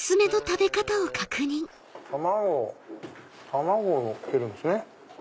卵をのっけるんですね。